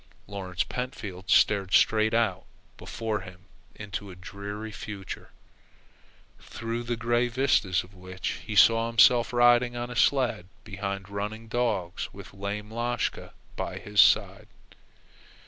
Lawrence Pentfield stared straight out before him into a dreary future, through the grey vistas of which he saw himself riding on a sled behind running dogs with lame Lashka by his side.